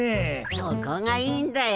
そこがいいんだよ。